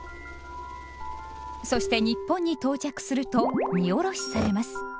そして日本に到着すると荷降ろしされます。